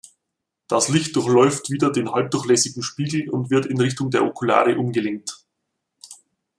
Das Licht durchläuft wieder den halbdurchlässigen Spiegel und wird in Richtung der Okulare umgelenkt.